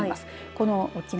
この沖縄。